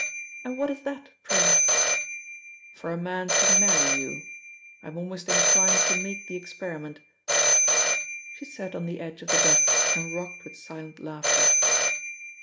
"And what is that, pray?" "For a man to marry you. I'm almost inclined to make the experiment." She sat on the edge of the desk and rocked with silent laughter.